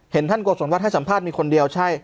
เห็นท่านกฎสนวัดให้สัมภาษณ์มีคนเดียวใช่